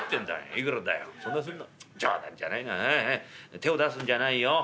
手を出すんじゃないよ。